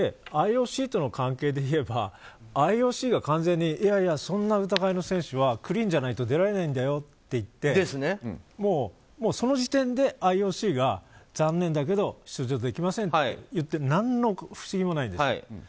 ＩＯＣとの関係でいえばＩＯＣが完全にいやいや、そんな疑いの選手はクリーンじゃないと出られないんだよって言ってその時点でＩＯＣが残念だけど出場できませんと言って何の不思議もないんです。